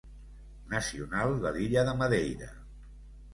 Nacional de l'illa de Madeira.